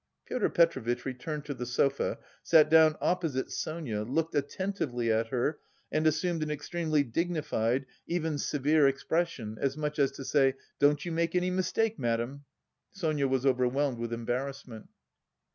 Pyotr Petrovitch returned to the sofa, sat down opposite Sonia, looked attentively at her and assumed an extremely dignified, even severe expression, as much as to say, "don't you make any mistake, madam." Sonia was overwhelmed with embarrassment.